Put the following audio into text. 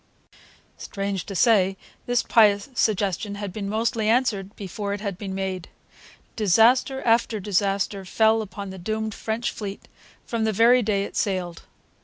Strange to say, this pious suggestion had been mostly answered before it had been made. Disaster after disaster fell upon the doomed French fleet from the very day it sailed.